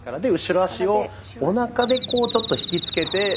後ろ足をおなかでちょっと引き付けて。